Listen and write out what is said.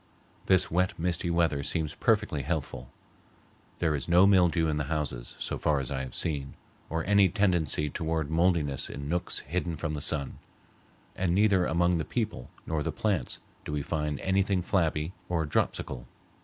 This wet, misty weather seems perfectly healthful. There is no mildew in the houses, as far as I have seen, or any tendency toward mouldiness in nooks hidden from the sun; and neither among the people nor the plants do we find anything flabby or dropsical.